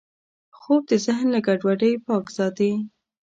خوب د ذهن له ګډوډۍ پاک ساتي